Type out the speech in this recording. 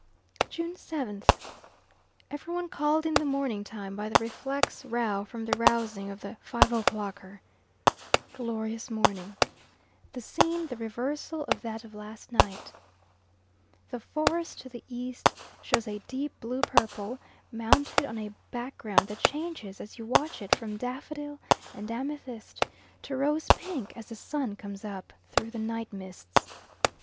June 7th. Every one called in the morning time by the reflex row from the rousing of the five o'clocker. Glorious morning. The scene the reversal of that of last night. The forest to the east shows a deep blue purple, mounted on a background that changes as you watch it from daffodil and amethyst to rose pink, as the sun comes up through the night mists.